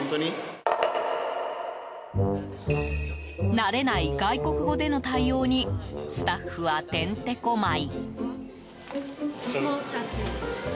慣れない外国語での対応にスタッフはてんてこ舞い。